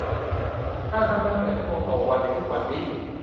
การทำงานแปดชั่วโมงต่อวันในทุกวันนี้